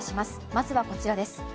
まずはこちらです。